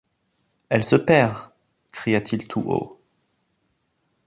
Elle se perd ! cria-t-il tout haut.